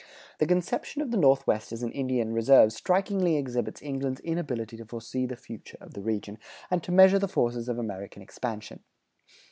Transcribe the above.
The conception of the Northwest as an Indian reserve strikingly exhibits England's inability to foresee the future of the region, and to measure the forces of American expansion.